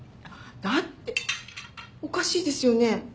だっておかしいですよね？